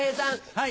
はい。